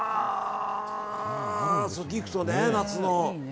ギフトね、夏の。